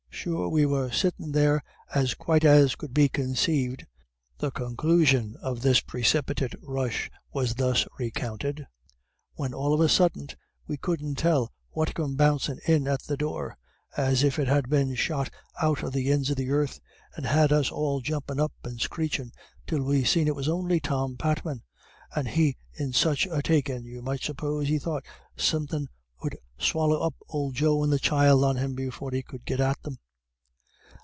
"Sure we were sittin' there as quite as could be consaived" the conclusion of this precipitate rush was thus recounted "when all of a suddint we couldn't tell what come bouncin' in at the door, as if it had been shot out of the inds of the earth, and had us all jumpin' up and screechin', till we seen it was on'y Tom Patman, and he in such a takin' you might suppose he thought somethin' 'ud swally up ould Joe and the child on him before he could get at them."